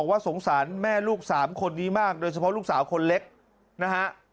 ว่าสงสารแม่ลูกสามคนนี้มากโดยเฉพาะลูกสาวคนเล็กนะฮะ